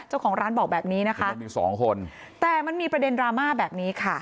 เจ้าของร้านบอกแบบนี้นะคะมันมีสองคนแต่มันมีประเด็นดราม่าแบบนี้ค่ะ